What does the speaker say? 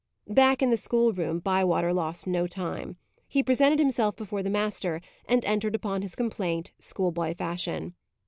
Back in the school room, Bywater lost no time. He presented himself before the master, and entered upon his complaint, schoolboy fashion.